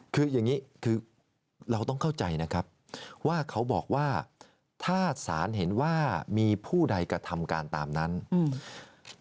คืออย่างงี้คือเราต้องเข้าใจนะครับว่าเขาบอกว่าถ้าสารเห็นว่ามีผู้ใดกระทำการตามนั้นอืม